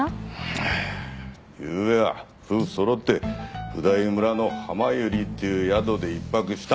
ゆうべは夫婦そろって普代村のはまゆりっていう宿で１泊した。